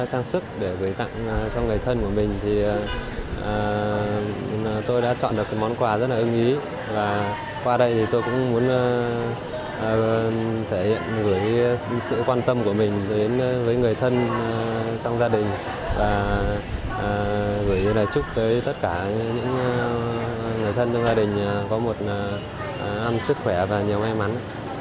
trang sức để gửi tặng cho người thân của mình thì tôi đã chọn được cái món quà rất là ưng ý và qua đây thì tôi cũng muốn thể hiện gửi sự quan tâm của mình đến với người thân trong gia đình và gửi chúc tới tất cả những người thân trong gia đình có một năm sức khỏe và nhiều may mắn